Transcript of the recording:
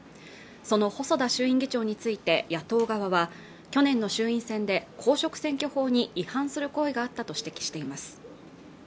その細田衆院議長について野党側は去年の衆院選で公職選挙法に違反する行為があったと指摘しています